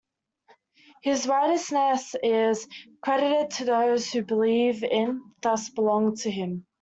His righteousness is credited to those who believe in and thus belong to him.